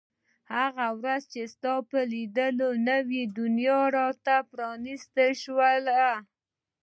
هغه ورځ چې ستا په لیدو نوې دنیا را ته پرانیستل شوه.